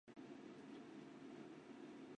纪超曾经是国青队的一员。